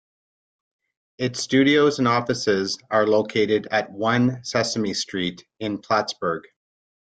Its studios and offices are located at One Sesame Street in Plattsburgh.